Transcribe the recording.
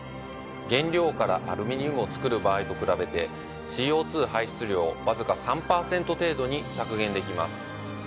原料からアルミニウムを作る場合と比べてＣＯ排出量をわずか３％程度に削減できます。